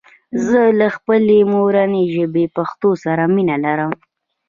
زه له خپلي مورني ژبي پښتو سره مينه لرم